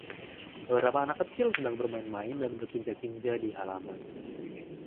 beberapa anak kecil sedang bermain-main dan berkinja-kinja di halaman